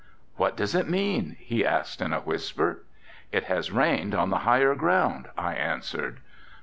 "What does it mean?" he asked in a whisper. "It has rained on the higher ground," I answered.